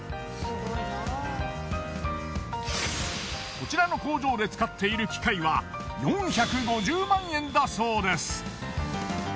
こちらの工場で使っている機械は４５０万円だそうです。